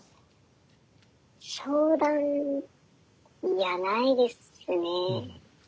相談いやないですね。